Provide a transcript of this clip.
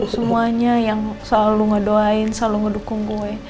semuanya yang selalu ngedoain selalu ngedukung gue